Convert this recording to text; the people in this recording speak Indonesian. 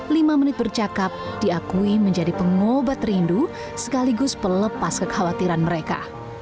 lima menit bercakap diakui menjadi pengobat rindu sekaligus pelepas kekhawatiran mereka